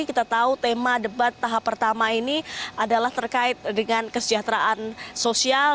jadi kita tahu tema debat tahap pertama ini adalah terkait dengan kesejahteraan sosial